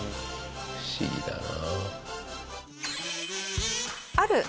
不思議だなあ。